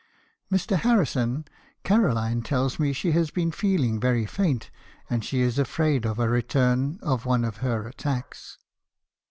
" 'Mr. Harrison, Caroline tells me she has been feeling very faint, and she is afraid of a return of one of her attacks.